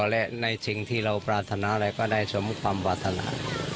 และในสิ่งที่เราปรารถนาอะไรก็ได้สมความปรารถนา